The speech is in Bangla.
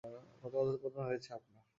কত অধঃপতন হয়েছে আপনার।